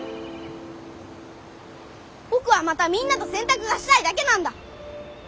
僕はまたみんなと洗濯がしたいだけなんだ！